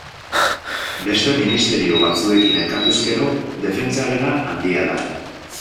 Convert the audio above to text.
Beste ministerio batzuekin erkatuz gero, defentsarena handia da.